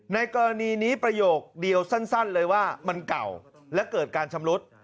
ในกรณีนี้ประโยคเดียวสั้นเลยว่ามันเก่าและเกิดการชำรุด